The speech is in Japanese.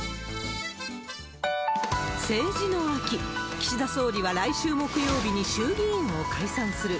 岸田総理は来週木曜日に衆議院を解散する。